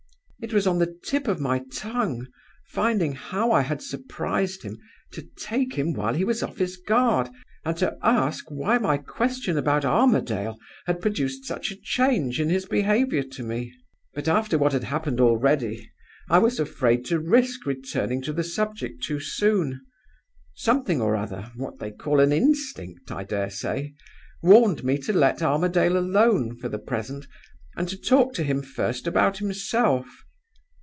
"It was on the tip of my tongue, finding how I had surprised him, to take him while he was off his guard, and to ask why my question about Armadale had produced such a change in his behavior to me. But after what had happened already, I was afraid to risk returning to the subject too soon. Something or other what they call an instinct, I dare say warned me to let Armadale alone for the present, and to talk to him first about himself.